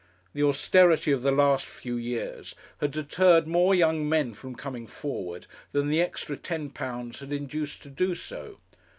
The austerity of the last few years had deterred more young men from coming forward than the extra £10 had induced to do so.